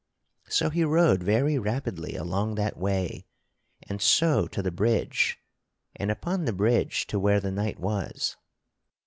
So he rode very rapidly along that way and so to the bridge and upon the bridge to where the knight was.